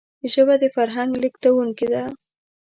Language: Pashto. ژبه د فرهنګ لېږدونکی ده